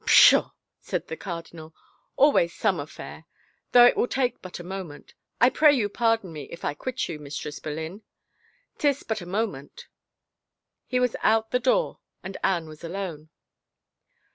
" Pshaw !" said the cardinal. " Always some affair — though it will take but a moment. I pray you pardon me if I quit you, Mistress Boleyn? 'Tis but a mo ment ..." He was out the door and Anne was alone.